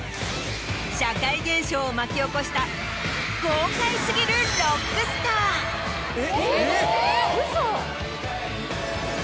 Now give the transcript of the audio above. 社会現象を巻き起こした豪快過ぎるロックスター。え！